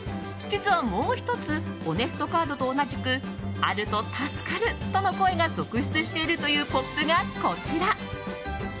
実はもう１つオネストカードと同じくあると助かるとの声が続出しているというポップが、こちら。